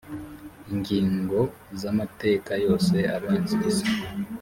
ingingo z amateka yose abanziriza